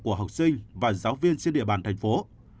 của học sinh và giáo viên trên địa bàn thành phố